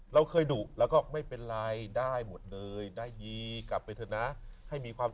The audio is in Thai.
เราเคยหนูเราก็